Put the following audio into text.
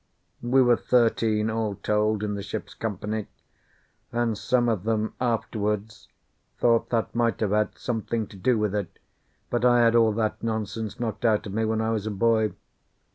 We were thirteen, all told, in the ship's company; and some of them afterwards thought that might have had something to do with it, but I had all that nonsense knocked out of me when I was a boy.